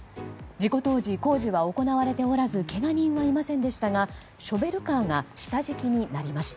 事故当時、工事は行われておらずけが人はいませんでしたがショベルカーが下敷きになりました。